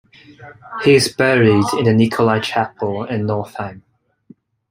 He is buried in the Nicolai Chapel in Northeim.